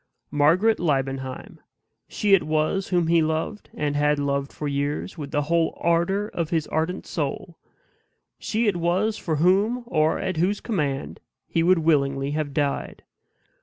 Margaret Liebenheim, she it was whom he loved, and had loved for years, with the whole ardor of his ardent soul; she it was for whom, or at whose command, he would willingly have died.